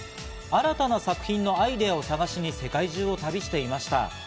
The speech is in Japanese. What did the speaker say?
新たな作品のアイデアを探しに世界中を旅していました。